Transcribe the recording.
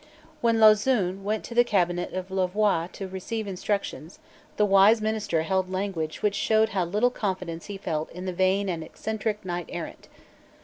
When Lauzun went to the cabinet of Louvois to receive instructions, the wise minister held language which showed how little confidence he felt in the vain and eccentric knight errant.